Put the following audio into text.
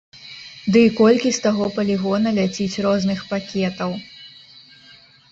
Ды й колькі з таго палігона ляціць розных пакетаў!